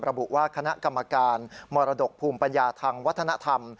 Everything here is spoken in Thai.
ระบุว่าคณะกรรมการมรดกภูมิปัญญาทางวัฒนธรรม